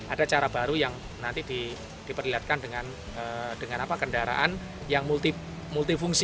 ada cara baru yang nanti diperlihatkan dengan kendaraan yang multifungsi